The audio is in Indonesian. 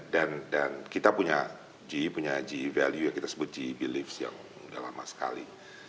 dan kita punya ge punya ge value yang kita sebut ge beliefs yang udah lama sekali